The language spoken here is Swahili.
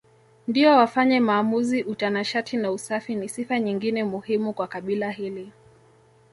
ndio wafanye maamuzi Utanashati na usafi ni sifa nyingine muhimu kwa kabila hili